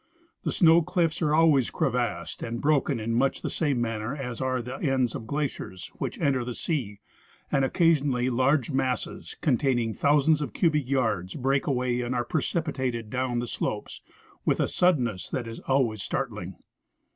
The snow cliffs are always crevassed and broken in much the same manner as are the ends of glaciers which enter the sea, and occasionally large masses, containing thousands of cubic yards, break aAvay and are precipitated down the slopes with a suddenness that is always startling.